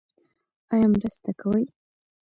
ایا مرسته کوئ؟